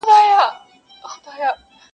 بېا يى پۀ خيال كې پۀ سرو سونډو دنداسه وهله,